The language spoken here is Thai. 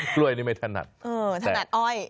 กล้วยนี่ไม่ถนัดแต่เออถนัดอ้อย